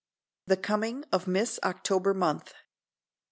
THE COMING OF MISS OCTOBER MONTH.